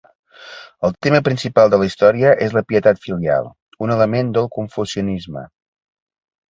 El tema principal de la història és la pietat filial, un element del confucianisme.